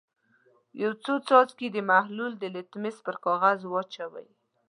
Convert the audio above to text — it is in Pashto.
یو څو څاڅکي د محلول د لتمس پر کاغذ واچوئ.